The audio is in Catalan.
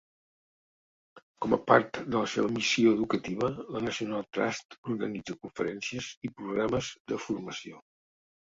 Com a part de la seva missió educativa, la National Trust organitza conferències i programes de formació.